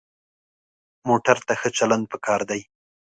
موټر ته ښه چلند پکار دی.